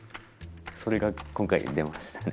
それが今回出ましたね。